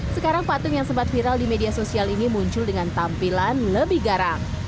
sekarang patung yang sempat viral di media sosial ini muncul dengan tampilan lebih garang